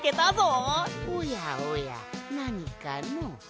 おやおやなにかの？